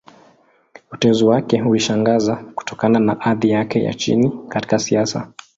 Uteuzi wake ulishangaza, kutokana na hadhi yake ya chini katika siasa.